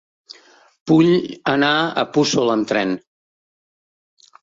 Vull anar a Puçol amb tren.